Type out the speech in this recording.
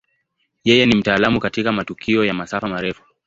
Yeye ni mtaalamu katika matukio ya masafa marefu.